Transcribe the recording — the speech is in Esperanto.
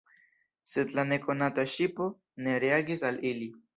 Sed la nekonata ŝipo ne reagis al ili.